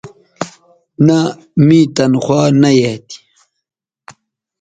نہء می تنخوا نہ یایئ تھی